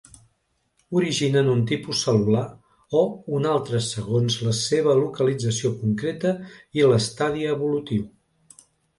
Originen un tipus cel·lular o un altre segons la seva localització concreta i l'estadi evolutiu.